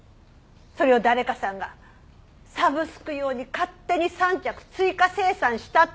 それを誰かさんがサブスク用に勝手に３着追加生産したってわけ。